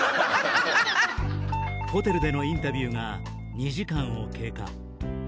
ホテルでのインタビューが２時間を経過